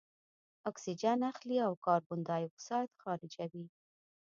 اکسیجن اخلي او کاربن دای اکساید خارجوي.